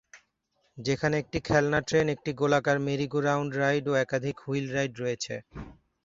যেখানে একটি খেলনা ট্রেন, একটি গোলাকার মেরি গো রাউন্ড রাইড ও একাধিক হুইল রাইড রয়েছে।